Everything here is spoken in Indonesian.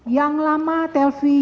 yang lama telview